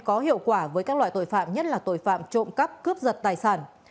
có hiệu quả với các loại tội phạm nhất là tội phạm trộm cắp cướp giật tài sản